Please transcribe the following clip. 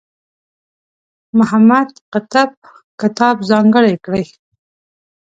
محمد قطب کتاب ځانګړی کړی.